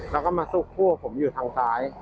และก็มาสู้คู่ผมอยู่ทางซ้าย